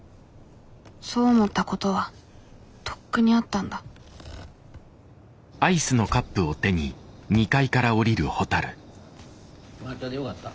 そう思ったことはとっくにあったんだ抹茶でよかった？